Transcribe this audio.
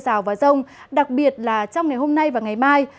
rào và rông đặc biệt là trong ngày hôm nay và ngày mai